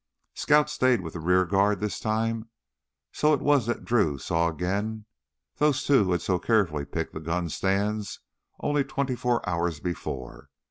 Scouts stayed with the rear guard this time, so it was that Drew saw again those two who had so carefully picked the gun stands only twenty four hours before.